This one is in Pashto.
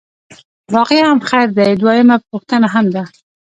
باقي هم خیر دی، دویمه پوښتنه هم ده.